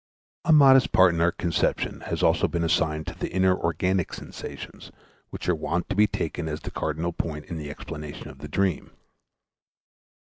A modest part in our conception has also been assigned to the inner organic sensations which are wont to be taken as the cardinal point in the explanation of the dream.